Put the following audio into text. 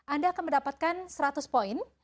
anda akan mendapatkan seratus poin